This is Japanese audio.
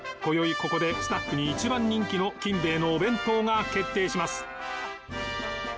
ここでスタッフに一番人気の金兵衛のお弁当が決定します。